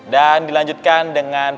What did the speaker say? dan dilanjutkan dengan